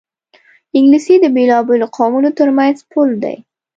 انګلیسي د بېلابېلو قومونو ترمنځ پُل دی